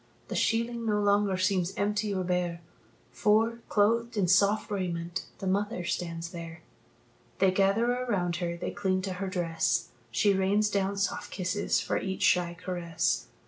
The sheeling no longer seems empty or bare, For, clothed in soft raiment, the mother stands there. They gather around her, they cling to her dress; She rains down soft kisses for each shy caress.